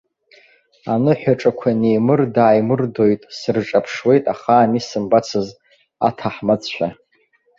Аныҳәаҿақәа неимырда-ааимырдоит, сырҿаԥшуеит ахаан исымбацыз, аҭаҳмадцәа.